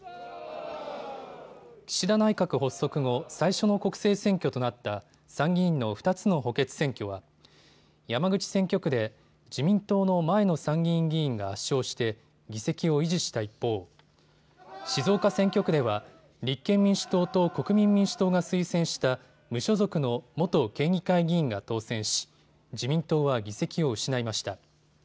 岸田内閣発足後、最初の国政選挙となった参議院の２つの補欠選挙は山口選挙区で自民党の前の参議院議員が圧勝して議席を維持した一方、静岡選挙区では立憲民主党と国民民主党が推薦した無所属の元県議会議員が当選し自民党は議席を失いました。